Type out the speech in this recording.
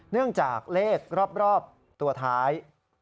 เนื่องจากเลขรอบตัวท้าย